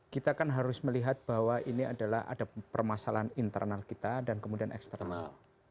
kita kan harus melihat bahwa ini adalah ada permasalahan internal kita dan kemudian eksternal